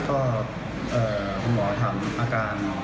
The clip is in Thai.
ก็คุณหมอทำอาการ